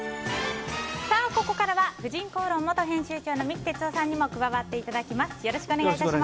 ここからは「婦人公論」元編集長の三木哲男さんにも加わっていただきます。